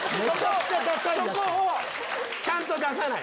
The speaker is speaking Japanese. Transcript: そこをちゃんと出さない。